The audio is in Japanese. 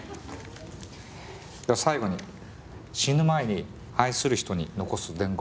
じゃあ最後に死ぬ前に愛する人に残す伝言。